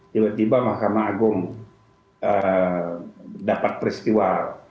tiba tiba mahkamah agung dapat peristiwa